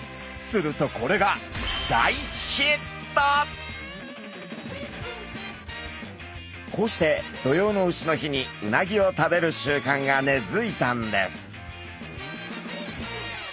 するとこれがこうして土用の丑の日にうなぎを食べる習慣が根づいたんです。